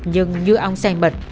nhưng như ông say mật